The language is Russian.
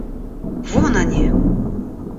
Вон они!